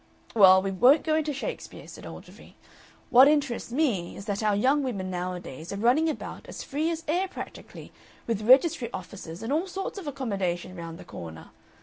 "Well, we won't go into Shakespeare," said Ogilvy "What interests me is that our young women nowadays are running about as free as air practically, with registry offices and all sorts of accommodation round the corner.